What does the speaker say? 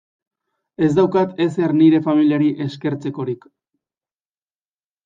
Ez daukat ezer nire familiari eskertzekorik.